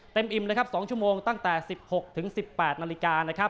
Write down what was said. เต็มอิ่มนะครับ๒ชั่วโมงตั้งแต่๑๖๑๘นาฬิกานะครับ